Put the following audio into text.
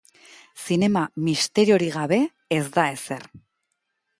Zinema, misteriorik gabe, ez da ezer.